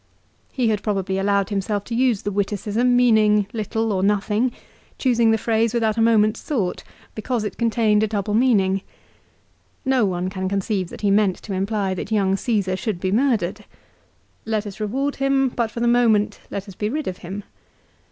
He had probably allowed himself to use the witticism, meaning little or nothing, choosing the phrase without a moment's thought, because it contained a double meaning. No one can conceive that he meant to imply that young Caesar should be murdered. "Let us reward him, but for the moment let us be rid of him."